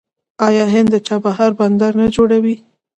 آیا هند د چابهار بندر نه جوړوي؟